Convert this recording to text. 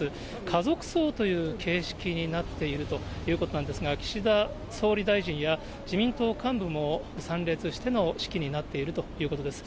家族葬という形式になっているということなんですが、岸田総理大臣や自民党幹部も参列しての式になっているということです。